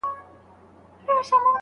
آیا ژمنۍ جامې تر اوړي جامو درنې دي؟